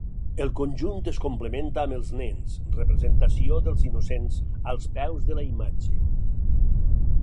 El conjunt es complementa amb els nens, representació dels innocents, als peus de la imatge.